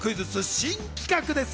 新企画です！